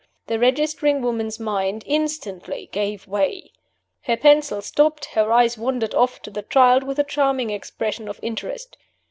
The registering woman's mind instantly gave way. Her pencil stopped; her eyes wandered off to the child with a charming expression of interest.